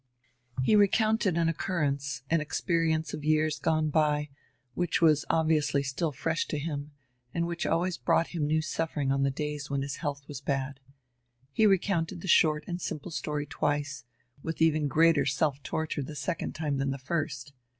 He recounted an occurrence, an experience of years gone by, which was obviously still fresh to him, and which always brought him new suffering on the days when his health was bad. He recounted the short and simple story twice, with even greater self torture the second time than the first.